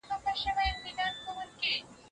د مړي حق به څوک ادا کوي؟